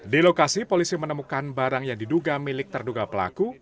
di lokasi polisi menemukan barang yang diduga milik terduga pelaku